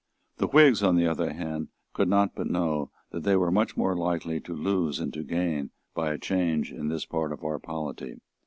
The Whigs, on the other hand, could not but know that they were much more likely to lose than to gain by a change in this part of our polity.